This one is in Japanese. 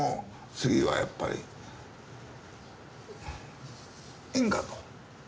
次はやっぱり円かと。